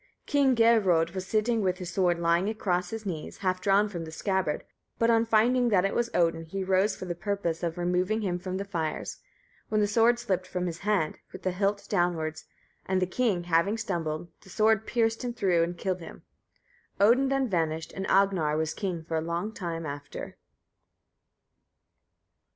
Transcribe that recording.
King Geirröd was sitting with his sword lying across his knees, half drawn from the scabbard, but on finding that it was Odin, he rose for the purpose of removing him from the fires, when the sword slipt from his hand with the hilt downwards; and the king having stumbled, the sword pierced him through and killed him. Odin then vanished, and Agnar was king for a long time after.